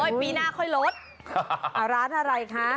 ปีหน้าค่อยลดร้านอะไรคะ